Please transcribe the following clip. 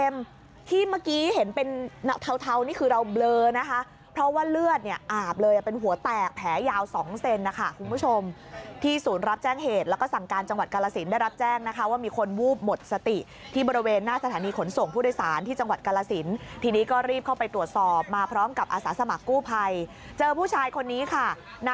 เมื่อกี้เห็นเป็นเทานี่คือเราเบลอนะคะเพราะว่าเลือดเนี่ยอาบเลยเป็นหัวแตกแผลยาว๒เซนนะคะคุณผู้ชมที่ศูนย์รับแจ้งเหตุแล้วก็สั่งการจังหวัดกาลสินได้รับแจ้งนะคะว่ามีคนวูบหมดสติที่บริเวณหน้าสถานีขนส่งผู้โดยสารที่จังหวัดกาลสินทีนี้ก็รีบเข้าไปตรวจสอบมาพร้อมกับอาสาสมัครกู้ภัยเจอผู้ชายคนนี้ค่ะน